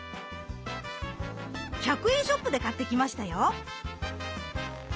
１００円ショップで買ってきましたよ。